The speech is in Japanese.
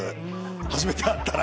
初めて会ったら。